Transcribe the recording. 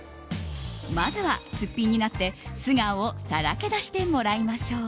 まずはすっぴんになって、素顔をさらけ出してもらいましょう。